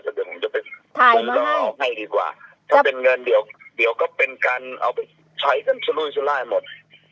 เดี๋ยวผมจะไปผมก็ออกให้ดีกว่าถ้าเป็นเงินเดี๋ยวเดี๋ยวก็เป็นการเอาไปใช้กันสลุยสุรายหมด